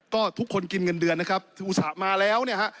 ก็ทุกคนกินเงินเดือนนะครับที่อุตส่าห์มาแล้วเนี่ยฮะ